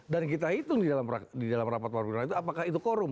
dan kita hitung di dalam rapat warga itu apakah itu korup